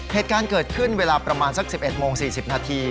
เหตุการณ์เกิดขึ้นเวลาประมาณสัก๑๑โมง๔๐นาที